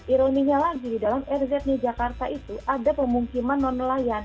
ironinya lagi di dalam rzd jakarta itu ada pemungkiman non nelayan